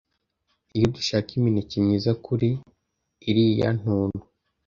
iyo dushaka imineke myiza kuri iriya ntuntu